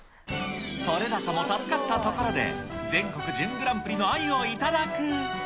撮れ高も助かったところで、全国準グランプリのあゆを頂く。